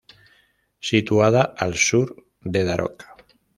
Situada al sur de Daroca.